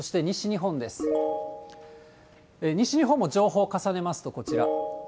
西日本も情報を重ねますと、こちら。